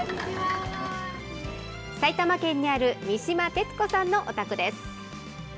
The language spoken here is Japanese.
埼玉県にある三島テツ子さんのお宅です。